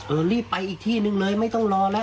เอ้ารี่บไปอีกที่หนึ่งเลยเคยไม่ต้องรอน่ะ